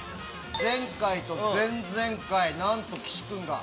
前回と前々回なんと岸君が。